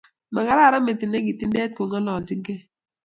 Makararan metit ni ketindet ngololchinikei